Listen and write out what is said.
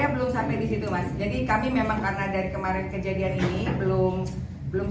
ya saya belum sampai di situ mas jadi kami memang karena dari kemarin kejadian ini belum sempat ngecek sampai di sana